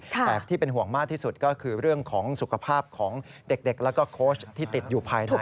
แต่เป็นห่วงมากที่สุดก็คือสุขภาพของเด็กและก็โค้ชที่ติดอยู่ภายใน